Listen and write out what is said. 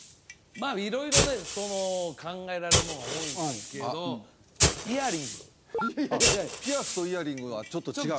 まあ色々ね考えられるものは多いんですけどイヤリングいやいやいやピアスとイヤリングはちょっと違う？